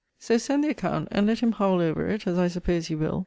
So send the account, and let him howl over it, as I suppose he will.